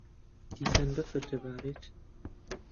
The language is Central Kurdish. دیسان بەفر دەبارێت.